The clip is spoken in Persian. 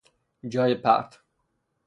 جای پرت